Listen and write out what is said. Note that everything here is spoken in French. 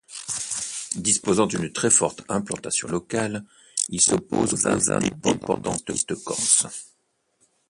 Disposant d’une très forte implantation locale, il s’oppose aux indépendantistes corses.